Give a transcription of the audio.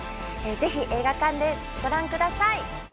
ぜひ映画館でご覧ください。